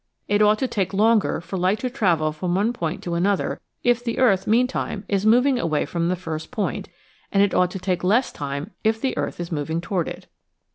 It ought to take longer for light to travel from one point to another NEGATIVE RESULTS 11 if the earth meantime is moving away from the first point and it ought to take less time if the earth is moving toward it.